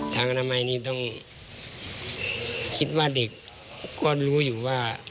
ทางอนามัยนี้ต้องคิดว่าเด็กก็รู้อยู่ว่า